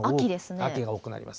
秋が多くなります。